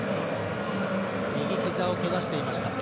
右膝をけがしていました。